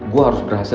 gue harus berhasil